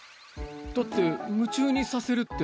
だって夢中にさせるって。